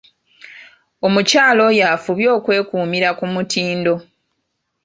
Omukyala oyo afubye okwekuumira ku mutindo.